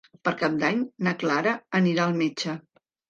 Per Cap d'Any na Clara anirà al metge.